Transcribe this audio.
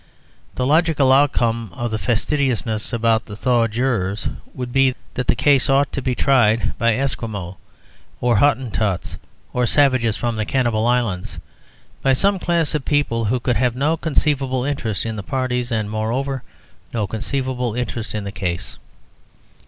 The logical outcome of the fastidiousness about the Thaw jurors would be that the case ought to be tried by Esquimaux, or Hottentots, or savages from the Cannibal Islands by some class of people who could have no conceivable interest in the parties, and moreover, no conceivable interest in the case.